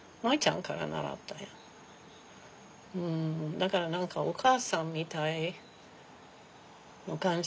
だから何かお母さんみたいな感じ。